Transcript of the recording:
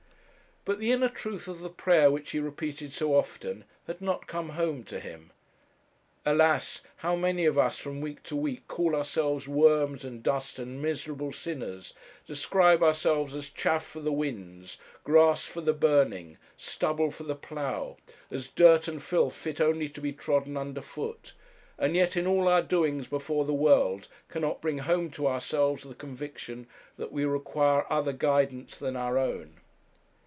But the inner truth of the prayer which he repeated so often had not come home to him. Alas! how many of us from week to week call ourselves worms and dust and miserable sinners, describe ourselves as chaff for the winds, grass for the burning, stubble for the plough, as dirt and filth fit only to be trodden under foot, and yet in all our doings before the world cannot bring home to ourselves the conviction that we require other guidance than our own!